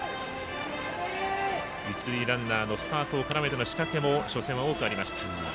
一塁ランナーのスタートを絡めての仕掛けも初戦は多くありました。